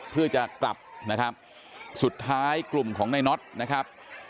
เพื่อจะกลับนะครับสุดท้ายกลุ่มของในน็อตนะครับ